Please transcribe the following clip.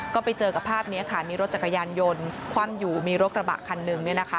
ก็ไปเจอกับภาพนี้ค่ะมีรถจักรยานยนต์คว่ำอยู่มีรถกระบะคันหนึ่ง